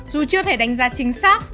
dù chưa thể đánh giá chính xác